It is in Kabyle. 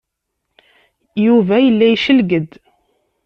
Yuba yella yecleg-d.